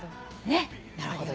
なるほど。